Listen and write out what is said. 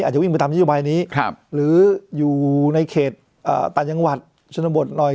อาจจะวิ่งไปตามนโยบายนี้หรืออยู่ในเขตต่างจังหวัดชนบทหน่อย